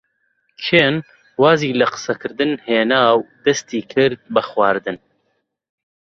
کێن وازی لە قسەکردن هێنا و دەستی کرد بە خواردن.